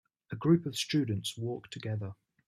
A group of students walk together.